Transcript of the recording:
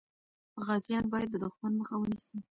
غازیان باید د دښمن مخه ونیسي.